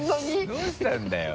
どうしたんだよ